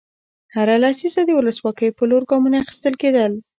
هره لسیزه د ولسواکۍ په لور ګامونه اخیستل کېدل.